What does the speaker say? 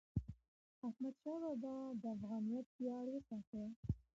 احمدشاه بابا د افغانیت ویاړ وساته.